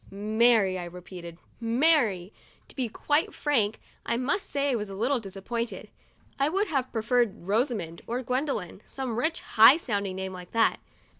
' Mary," I repeated, " Mary." To be quite frank, I must say I was a little disappointed. I would have pre ferred Rosamond, or Gwendolyn — some rich, high sounding name like that.